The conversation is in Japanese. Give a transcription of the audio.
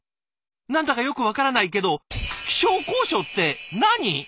なんだかよくわからないけど気象考証って何？」。